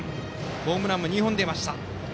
ホームランも２本出ました。